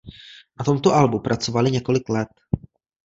Na tomto albu pracovaly několik let.